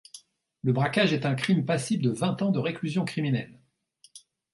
Le braquage est un crime passible de vingt ans de réclusion criminelle.